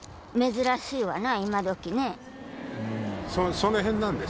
その辺なんです。